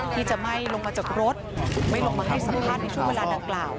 ที่จะไม่ลงมาจากรถไม่ลงมาให้สัมภาษณ์ในช่วงเวลาดังกล่าว